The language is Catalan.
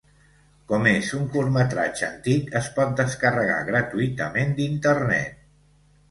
Com és un curtmetratge antic es pot descarregar gratuïtament d'internet.